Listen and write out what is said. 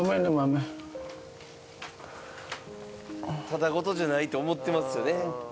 ただ事じゃないと思ってますよね。